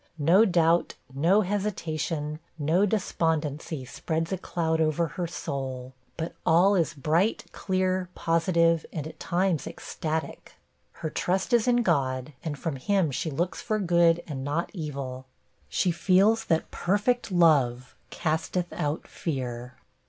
No doubt, no hesitation, no despondency, spreads a cloud over her soul; but all is bright, clear, positive, and at times ecstatic. Her trust is in God, and from him she looks for good, and not evil. She feels that 'perfect love casteth out fear.'